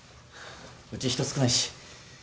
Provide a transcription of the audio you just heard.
うち人少ないし。